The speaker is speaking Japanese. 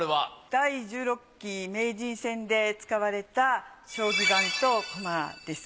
第１６期名人戦で使われた将棋盤と駒です。